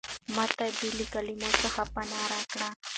ما ته بې له کلمو څخه پناه راکړه.